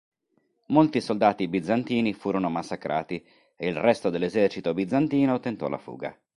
Molti soldati bizantini furono massacrati e il resto dell'esercito bizantino tentò la fuga.